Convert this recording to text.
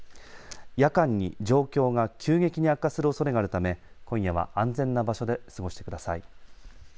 夜間に状況が急激に悪化するおそれがあるため、今夜は安全な場所でお過ごしください。